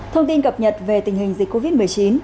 thông tin cập nhật về tình hình dịch covid một mươi chín